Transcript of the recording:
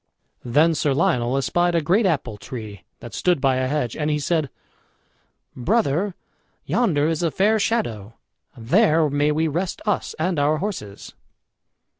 Then Sir Lionel espied a great apple tree that stood by a hedge, and he said: "Brother, yonder is a fair shadow there may we rest us and our horses."